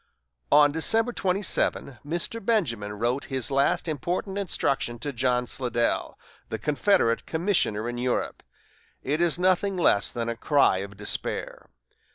On December 27, Mr. Benjamin wrote his last important instruction to John Slidell, the Confederate commissioner in Europe. It is nothing less than a cry of despair.